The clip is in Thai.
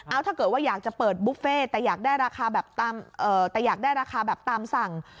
เอ้าถ้าเกิดว่าอยากจะเปิดบุฟเฟต์แต่อยากได้ราคาแบบตามสั่ง